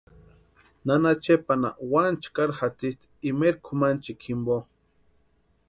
Nana Chepanha wani chkari jatsisti imaeri kʼumanchikwa jimpo.